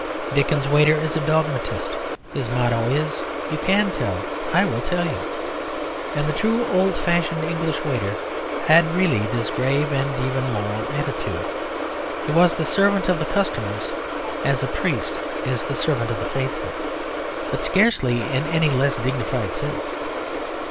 Dickens's waiter is a dogmatist; his motto is "You can tell; I will tell you." And the true old fashioned English waiter had really this grave and even moral attitude; he was the servant of the customers as a priest is the servant of the faithful, but scarcely in any less dignified sense.